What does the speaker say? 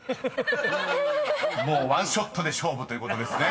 ［もうワンショットで勝負ということですね］